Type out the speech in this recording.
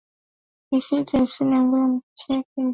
misitu ya asili ambayo miti yake hujiotea